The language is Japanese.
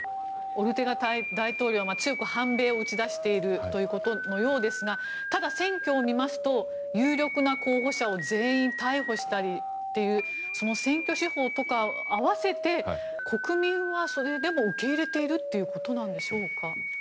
オルテガ大統領は、強く反米を打ち出しているようですがただ、選挙を見ますと有力な候補者を全員逮捕したりというその選挙手法とかを併せて国民はそれでも受け入れているということでしょうか。